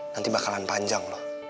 nanti bakalan panjang loh